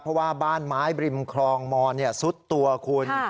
เพราะว่าบ้านไม้บริมคลองมอนซุดตัวคุณ